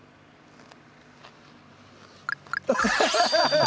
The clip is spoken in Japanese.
アハハハハッ。